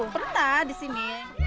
pernah di sini